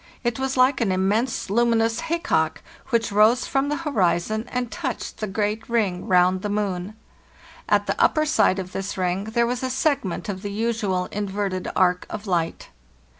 It was like an immense luminous haycock, which rose from the horizon and touched the great ring round the moon. At the upper side of this ring there was a segment of the usual in verted arc of light."